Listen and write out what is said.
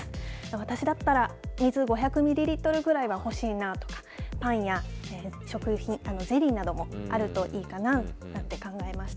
私だったら、水５００ミリリットルぐらいは欲しいなとか、パンや食品、ゼリーなどもあるといいかななんて考えました。